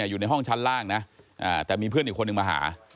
อยู่ในห้องชั้นล่างนะแต่มีเพื่อนอีกคนนึงมาหา